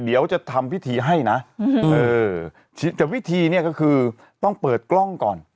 เดี๋ยวจะทำพิธีให้นะแต่วิธีเนี่ยก็คือต้องเปิดกล้องก่อน